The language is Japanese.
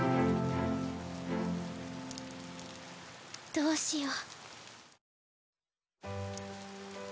どうしよう。